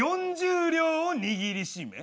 ４０両を握りしめ。